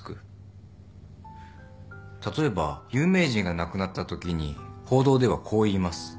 例えば有名人が亡くなったときに報道ではこう言います。